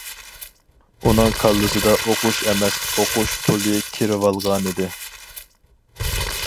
ئۇنىڭ كاللىسىدا ئوقۇش ئەمەس، ئوقۇش پۇلى كىرىۋالغانىدى.